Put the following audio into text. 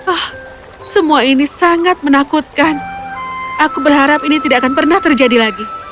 ah semua ini sangat menakutkan aku berharap ini tidak akan pernah terjadi lagi